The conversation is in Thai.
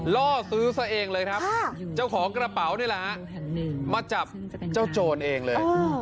ล่อซื้อซะเองเลยครับเจ้าของกระเป๋านี่แหละฮะมาจับเจ้าโจรเองเลย